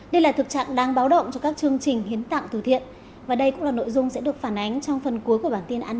đây là thực trạng đang báo động cho các chương trình hiến tặng thừa thiện